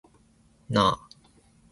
なあ